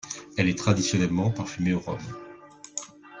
Elle est traditionnellement parfumée au rhum.